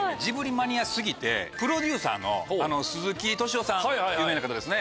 マニア過ぎてプロデューサーの鈴木敏夫さん有名な方ですね。